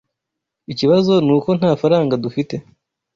Ikibazo nuko nta faranga dufite.